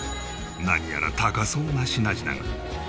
何やら高そうな品々が。